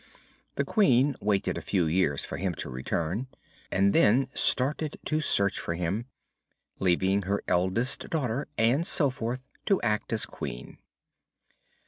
The Queen waited a few years for him to return and then started in search of him, leaving her eldest daughter, Ann Soforth, to act as Queen.